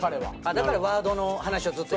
だからワードの話をずっと。